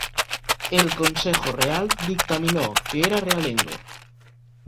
El Consejo Real dictaminó que era realengo.